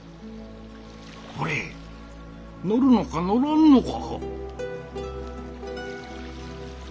ほれ乗るのか乗らんのか